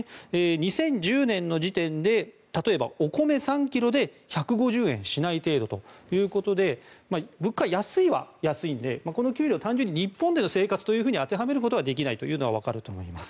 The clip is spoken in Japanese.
２０１０年の時点で例えばお米３ｋｇで１５０円しない程度ということで物価は安いは安いのでこの給料は単純に日本での生活に当てはめることはできないのがわかると思います。